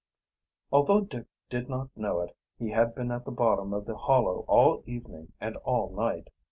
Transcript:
Although Dick did not know it, he had been at the bottom of the hollow all evening and all night.